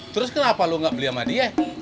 terus kenapa lu gak beli sama dia